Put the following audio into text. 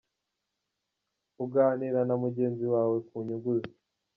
Kuganira na mugenzi wawe ku nyungu ze.